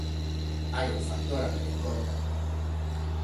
Hai un factor a ter en conta.